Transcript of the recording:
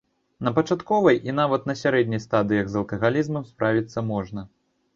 На пачатковай і нават на сярэдняй стадыях з алкагалізмам справіцца можна.